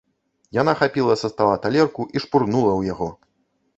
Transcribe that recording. Яна хапіла са стала талерку і шпурнула ў яго.